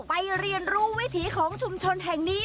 เรียนรู้วิถีของชุมชนแห่งนี้